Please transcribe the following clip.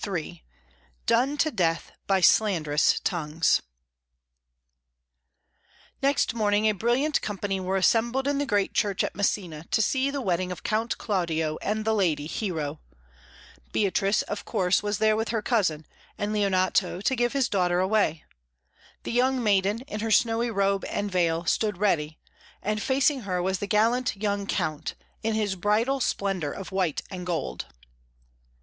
] "Done to Death by Slanderous Tongues" Next morning a brilliant company were assembled in the great church at Messina to see the wedding of Count Claudio and the lady Hero. Beatrice, of course, was there with her cousin, and Leonato to give his daughter away. The young maiden, in her snowy robe and veil, stood ready, and facing her was the gallant young Count, in his bridal splendour of white and gold.